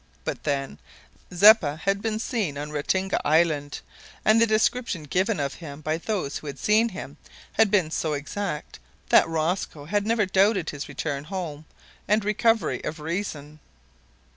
But then Zeppa had been seen on Ratinga Island, and the description given of him by those who had seen him had been so exact that Rosco had never doubted his return home and recovery of reason.